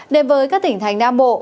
đềm với các tỉnh thành nam bộ